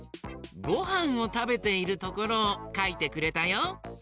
ごはんをたべているところをかいてくれたよ。